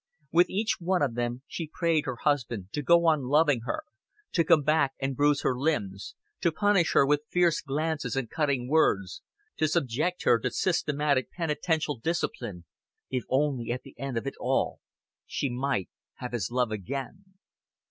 With each one of them she prayed her husband to go on loving her; to come back and bruise her limbs, to punish her with fierce glances and cutting words, to subject her to systematic penitential discipline, if only at the end of it all she might have his love again.